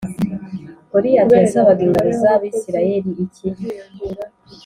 Goliyati yasabaga ingabo z’Abisirayeli iki?